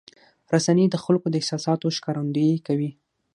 رسنۍ د خلکو د احساساتو ښکارندویي کوي.